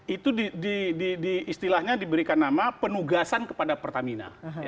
itu istilahnya diberikan nama penugasan kepada pertamina